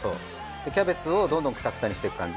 でキャベツをどんどんクタクタにしてく感じ。